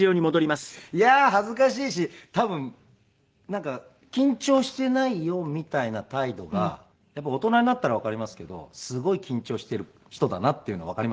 いや恥ずかしいし多分なんか緊張してないよみたいな態度がやっぱり大人になったらわかりますけどすごい緊張している人だなっていうのわかりますね。